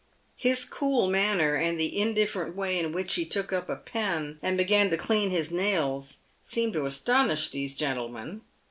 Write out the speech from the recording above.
His cool manner, and the indifferent way in which he took up a pen and began to clean his nails, seemed to astonish these gentlemen.